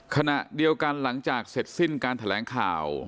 ขณะเดียวกันหลังจากเสร็จสิ้นการแถลงข่าว